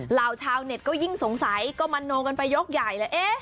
เหล่าชาวเน็ตก็ยิ่งสงสัยก็มโนกันไปยกใหญ่เลย